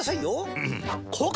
うん！